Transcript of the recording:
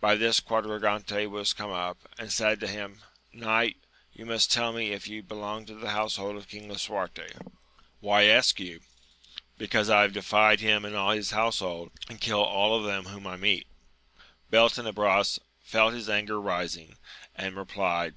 By this Quadragante was come up, and said to him. Knight, you must tell me if you be long to the household of King Lisuarte ? "Why ask you 1 — Because I have defied him and all his house hold, and kill all of them whom I meet. Beltenebros felt his anger rising, and replied.